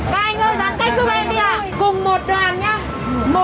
má xả đầy giống em để làm quen ạ